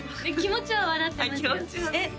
気持ちは笑ってますよ